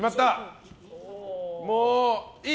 もういい？